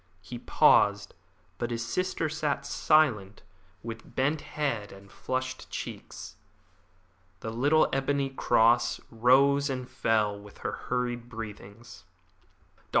He paused, but his sister sat silent, with bent head and flushed cheeks. The little ebony cross rose and fell with her hurried breathings. "Dr.